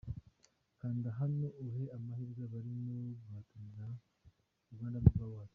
Kanda hano uhe amahirwe abarimo guhatanira Rwanda Movie Awards.